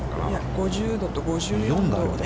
５０度と５４度で。